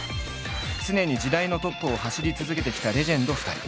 常に時代のトップを走り続けてきたレジェンド２人。